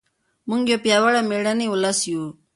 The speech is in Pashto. موږ یو پیاوړی او مېړنی ولس یو.